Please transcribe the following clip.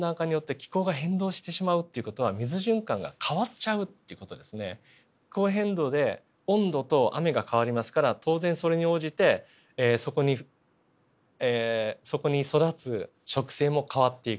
気候変動で温度と雨が変わりますから当然それに応じてそこにそこに育つ植生も変わっていく。